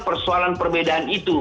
persoalan perbedaan itu